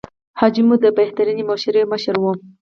حاجي مو د بهترینې مشورې مشر و.